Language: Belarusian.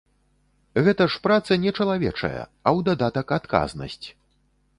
Гэта ж праца нечалавечая, а ў дадатак адказнасць.